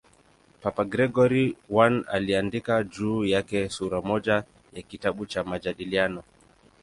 Papa Gregori I aliandika juu yake sura moja ya kitabu cha "Majadiliano".